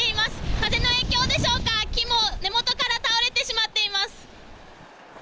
風の影響でしょうか、木も根元から倒れてしまっています。